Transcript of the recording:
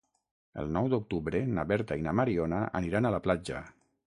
El nou d'octubre na Berta i na Mariona aniran a la platja.